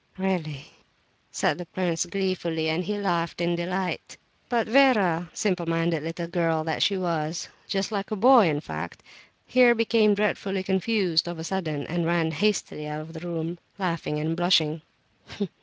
"Really?" asked the prince, gleefully, and he laughed in delight. But Vera, simple minded little girl that she was (just like a boy, in fact), here became dreadfully confused, of a sudden, and ran hastily out of the room, laughing and blushing.